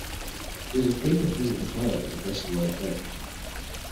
He was a frequent visiting player at the Bristol Old Vic.